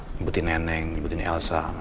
nyebutin neneng nyebutin elsa